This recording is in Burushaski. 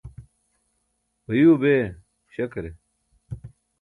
bayuuwa bee śakare?